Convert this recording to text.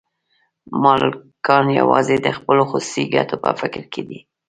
مالکان یوازې د خپلو خصوصي ګټو په فکر کې دي